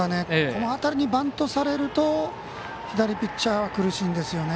この辺りにバントされると左ピッチャーは苦しいんですよね。